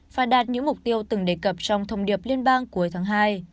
và đạt những mục tiêu từng đề cập trong thông điệp liên bang cuối tháng hai